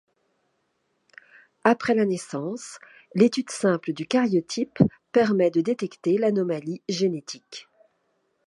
Après la naissance l'étude simple du caryotype permet de détecter l'anomalie génétique.